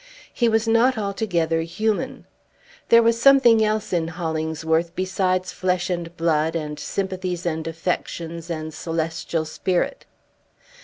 He was not altogether human. There was something else in Hollingsworth besides flesh and blood, and sympathies and affections and celestial spirit.